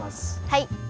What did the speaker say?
はい！